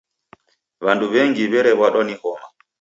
W'andu w'engi w'erew'adwa ni homa.